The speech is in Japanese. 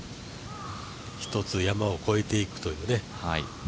１つ山を越えていくというね。